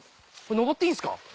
上っていいんですか？